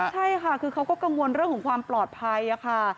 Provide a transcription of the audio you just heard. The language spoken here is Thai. ใช่ค่ะคือเขาก็กังวลเรื่องของความปลอดภัยค่ะ